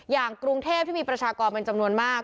อย่างกรุงเทพที่มีประชากรเป็นจำนวนมาก